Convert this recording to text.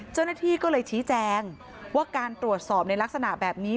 เจ้าหน้าที่ก็เลยชี้แจงว่าการตรวจสอบในลักษณะแบบนี้